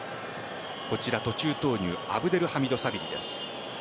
途中投入アブデルハミド・サビリです。